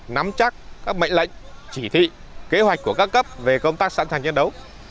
nắm chắc các mệnh lệnh chỉ thị kế hoạch của các cấp về công tác sẵn sàng chiến đấu